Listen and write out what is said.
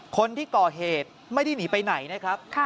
คนที่ก่อเหตุไม่ได้หนีไปไหนนะครับ